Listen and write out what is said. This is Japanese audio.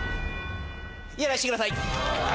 やらしてください。